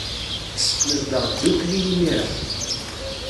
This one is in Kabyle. Nezdeɣ ddukkli imir-a.